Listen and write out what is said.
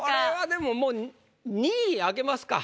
でももう２位開けますか。